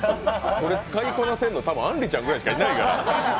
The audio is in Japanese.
それ使いこなせんのあんりちゃぐらいしかいないから。